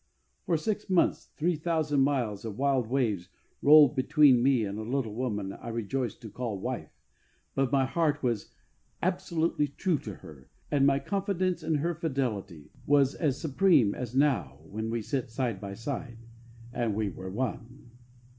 For six months three thousand miles of wild waves rolled between me and a little woman I rejoiced to call " wife,^' but my heart was as absolutely true to her and my confidence in her fidelity was as supreme as now when we sit side by side — and we were one.